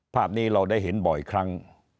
ภาพนี้เราได้เห็นบ่อยครั้ง